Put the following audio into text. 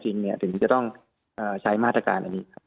จึงจะต้องใช้มาตรการ